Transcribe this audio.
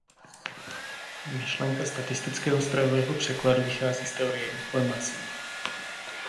Myšlenka statistického strojového překladu vychází z teorie informací.